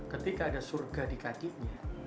ketika ada surga di kakinya